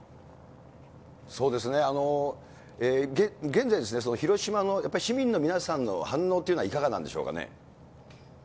そうですね、現在、広島の市民の皆さんの反応っていうのは、いかがなんでしょうかね？